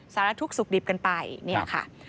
สารทุกข์สุขดิบกันไปเนี่ยค่ะ